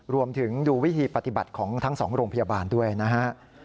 รวมถึงดูวิธีปฏิบัติของทั้ง๒โรงพยาบาลด้วยนะฮะ